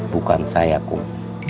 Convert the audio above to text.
bukan saya kum